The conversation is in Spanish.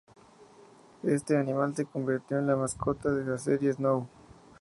Este animal se convirtió en la mascota de las series Now!